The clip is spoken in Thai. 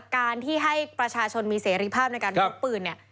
การที่ให้ประชาชนมีเสรีภาพในการพกปืนเนี่ย